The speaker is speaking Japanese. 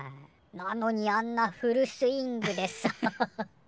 なのにあんなフルスイングでさ。